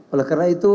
oleh karena itu